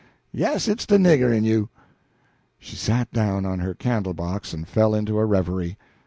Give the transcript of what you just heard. Yes, it's de nigger in you!" She sat down on her candle box and fell into a reverie.